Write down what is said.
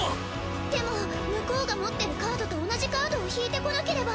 でも向こうが持ってるカードと同じカードを引いてこなければ。